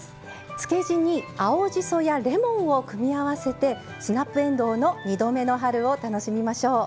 つけ地に青じそやレモンを組み合わせてスナップえんどうの「２度目の春」を楽しみましょう。